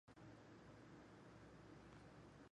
乾隆十年进士。